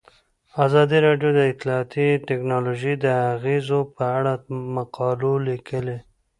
ازادي راډیو د اطلاعاتی تکنالوژي د اغیزو په اړه مقالو لیکلي.